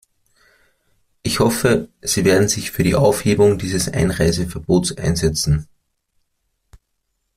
Ich hoffe, Sie werden sich für die Aufhebung dieses Einreiseverbots einsetzen.